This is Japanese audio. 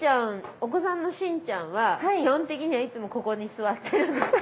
お子さんの清ちゃんは基本的にはいつもここに座ってるんですか？